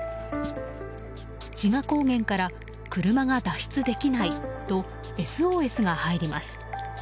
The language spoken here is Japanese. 志賀高原から車が脱出できないとＳＯＳが入ります。